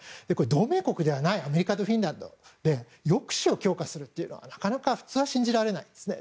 同盟国ではないアメリカとフィンランド抑止を強化するというのはなかなか、普通は信じられないですね。